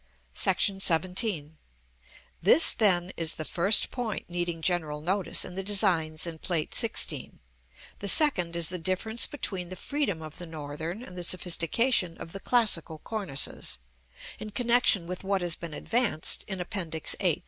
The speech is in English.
§ XVII. This, then, is the first point needing general notice in the designs in Plate XVI. The second is the difference between the freedom of the Northern and the sophistication of the classical cornices, in connection with what has been advanced in Appendix 8.